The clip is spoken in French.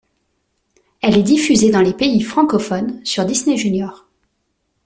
Elle est diffusée dans les pays francophones sur Disney Junior.